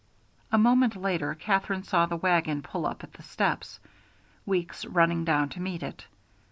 A moment later Katherine saw the wagon pull up at the steps, Weeks running down to meet it.